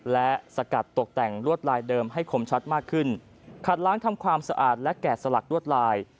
และสกัดตกแต่งลวดลายเดิมให้คมชัดมากขึ้นขัดล้างทำความสะอาดและแก่สลักลวดลาย